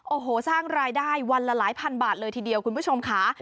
โอ้โหสร้างรายได้วันละหลายพันบาทเลยทีเดียวคุณผู้ชมค่ะ